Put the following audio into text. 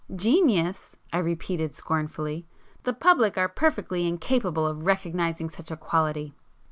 "Genius!" I repeated scornfully—"The public are perfectly incapable of recognizing such a quality!"